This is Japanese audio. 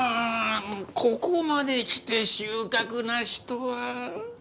ここまできて収穫なしとは。